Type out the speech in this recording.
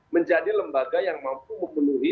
menjadi lembaga yang mampu memenuhi